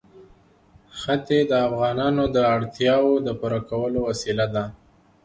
ښتې د افغانانو د اړتیاوو د پوره کولو وسیله ده.